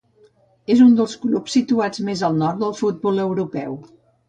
És un dels clubs situat més al nord del futbol europeu.